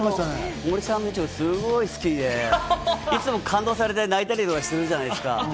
森さんの事がすごく好きで、いつも感動されて泣いたりするじゃないですか。